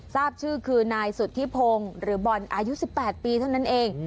ทราบชื่อคือนายสุธิพงศ์หรือบอลอายุ๑๘ปีเท่านั้นเอง